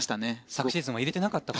昨シーズンは入れてなかった